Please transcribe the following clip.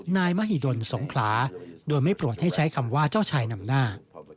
นายมหิดลสงขลาโดยไม่โปรดให้ใช้คำว่าเจ้าชายนำหน้า